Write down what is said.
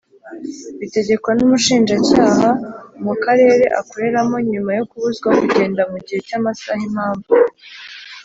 bitegekwa n’umushinjacyaha mu akarere akoreramo nyuma yo kubuzwa kugenda mugihe cy’amasaha impamvu